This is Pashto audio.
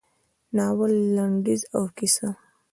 د ناول لنډیز او کیسه: